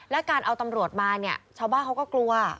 และการเอาตำรวจมาเนี่ยชาวบ้านเขาก็กลัว